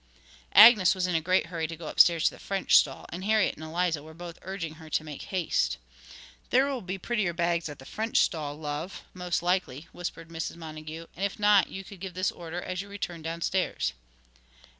Agnes was in a great hurry to go upstairs to the French stall, and Harriet and Eliza were both urging her to make haste. 'There will be prettier bags at the French stall, love, most likely,' whispered Mrs. Montague; 'and, if not, you could give this order as you returned downstairs.'